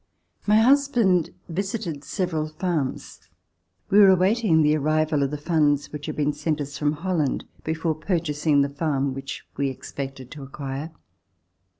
My husband visited several farms. We were await ing the arrival of the funds which had been sent us from Holland before purchasing the farm which we expected to acquire.